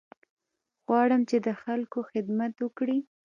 غواړم چې د خلکو خدمت وکړې.